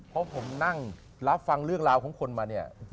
เพราะผมนั่งรับฟังเรื่องราวของคนมาเนี่ย